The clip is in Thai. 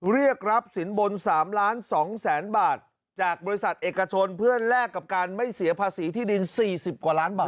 เรียกรับสินบน๓ล้าน๒แสนบาทจากบริษัทเอกชนเพื่อแลกกับการไม่เสียภาษีที่ดิน๔๐กว่าล้านบาท